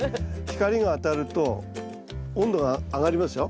光が当たると温度が上がりますよ。